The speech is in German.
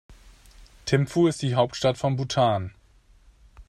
Thimphu ist die Hauptstadt von Bhutan.